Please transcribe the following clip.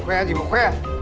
khoe gì mà khoe